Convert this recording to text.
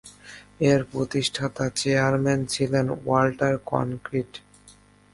এর প্রতিষ্ঠাতা চেয়ারম্যান ছিলেন ওয়াল্টার ক্রোনকিট।